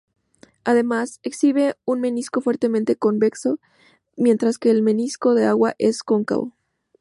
Además, exhibe un menisco fuertemente convexo, mientras que el menisco de agua es cóncavo.